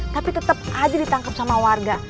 tapi tetep aja ditangkep sama warga